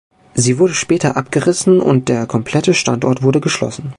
Sie wurde später abgerissen und der komplette Standort wurde geschlossen.